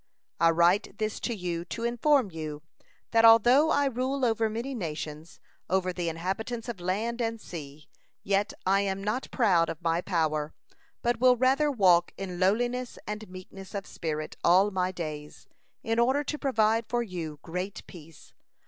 I write this to you to inform you, that although I rule over many nations, over the inhabitants of land and sea, yet I am not proud of my power, but will rather walk in lowliness and meekness of spirit all my days, in order to provide for you great peace.